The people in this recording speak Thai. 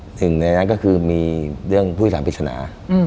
หนึ่งในนั้นก็คือมีเรื่องผู้ที่สาวพิษณา